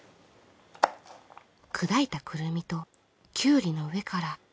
砕いたくるみときゅうりの上から。